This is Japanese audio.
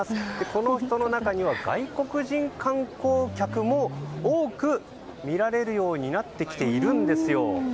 この人の中には外国人観光客も多く見られるようになってきているんですよ。